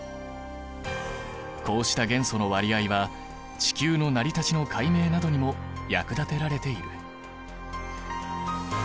こうした元素の割合は地球の成り立ちの解明などにも役立てられている。